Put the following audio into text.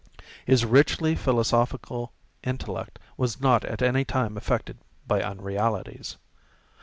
His richly philosophical intellect was not at any time affected by unrealities.